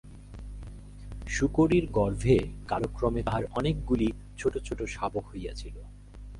শূকরীর গর্ভে কালক্রমে তাঁহার অনেকগুলি ছোট ছোট শাবক হইয়াছিল।